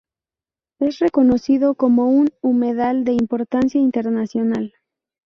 Es reconocido como un humedal de importancia internacional.